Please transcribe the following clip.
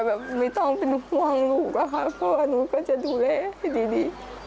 แบบไม่ต้องเป็นห่วงลูกอะค่ะเพราะว่าหนูก็จะดูแลให้ดี